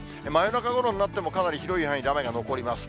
中ごろになっても、かなり広い範囲で雨が残ります。